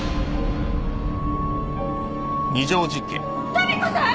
・民子さん！